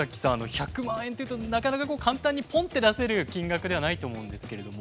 １００万円っていうとなかなか簡単にぽんって出せる金額ではないと思うんですけれども。